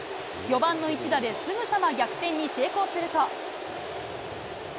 ４番の一打ですぐさま逆転に成功すると。